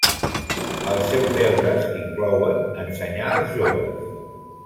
Els seus deures inclouen ensenyar als joves.